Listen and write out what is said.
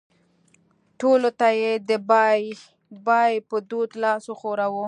ټولو ته یې د بای بای په دود لاس وښوراوه.